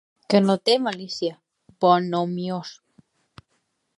Que no té malícia, bonhomiós.